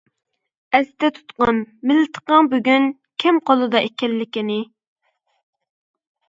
ئەستە تۇتقىن مىلتىقىڭ بۈگۈن، كىم قولىدا ئىكەنلىكىنى.